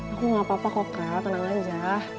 aku gak apa apa kok kak tenang aja